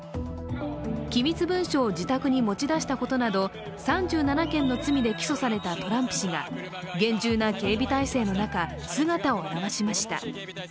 機密文書を自宅に持ち出したことなど３７件の罪で起訴されたトランプ氏が厳重な警備体制の中、姿を現しました。